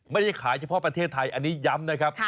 ไม่ได้ขายเฉพาะประเทศไทยอันนี้ย้ำนะครับ